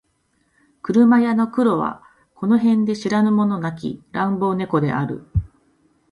車屋の黒はこの近辺で知らぬ者なき乱暴猫である